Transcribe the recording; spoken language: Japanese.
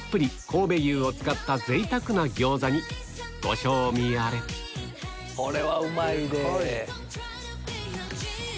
神戸牛を使った贅沢な餃子にご賞味あれこれはうまいで。